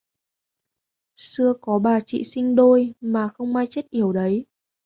xưa có bà chị sinh đôi mà không may chết yểu đấy